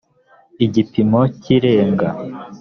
igipimo kirenga